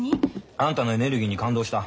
あんたのエネルギーに感動した。